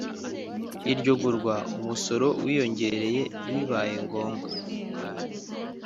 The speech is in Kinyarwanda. Iryo gurwa umusoro wiyongera bibaye ngombwa